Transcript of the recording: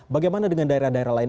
bagaimana dengan daerah daerah lain